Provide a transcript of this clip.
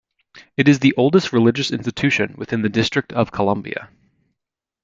It is the oldest religious institution within the District of Columbia.